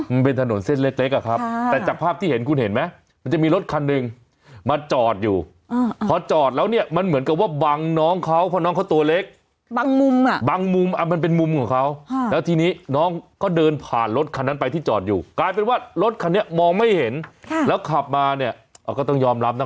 มันเป็นถนนเส้นเล็กเล็กอะครับแต่จากภาพที่เห็นคุณเห็นไหมมันจะมีรถคันหนึ่งมาจอดอยู่พอจอดแล้วเนี่ยมันเหมือนกับว่าบังน้องเขาเพราะน้องเขาตัวเล็กบางมุมอ่ะบางมุมอ่ะมันเป็นมุมของเขาแล้วทีนี้น้องก็เดินผ่านรถคันนั้นไปที่จอดอยู่กลายเป็นว่ารถคันนี้มองไม่เห็นค่ะแล้วขับมาเนี่ยก็ต้องยอมรับนะ